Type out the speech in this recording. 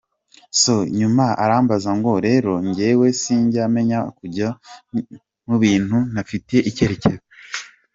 So nyuma arambaza ngo rero njyewe sinjya menya kunjya mubintu ntafitiye icyerekezo.